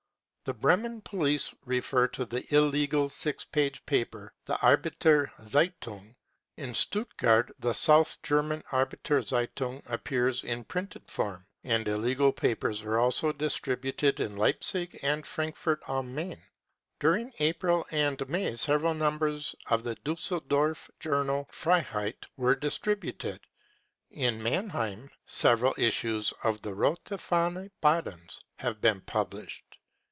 The Bremen police refer to the illegal, six page paper, the Arbeiter %eitung. In Stuttgart the South German Arbeiter Zeitung appears in printed form, and illegal papers are also distributed in Leipzig and Frankfurt am Main. During April and May several numbers of the Diisseldorf journal Freiheit were distributed. In Mannheim several issues of the Rote Fahne Badens have been published.